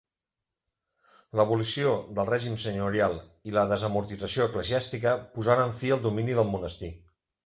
L'abolició del règim senyorial i la desamortització eclesiàstica posaren fi al domini del monestir.